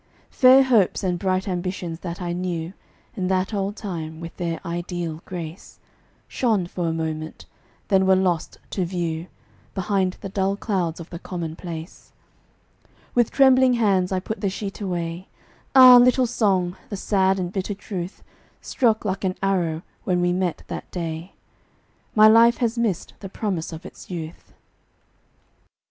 Fair hopes and bright ambitions that I knew In that old time, with their ideal grace, Shone for a moment, then were lost to view Behind the dull clouds of the commonplace. With trembling hands I put the sheet away; Ah, little song! the sad and bitter truth Struck like an arrow when we met that day! My life has missed the promise of its youth.